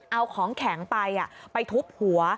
เอาของแข็งไปไปทุบหัว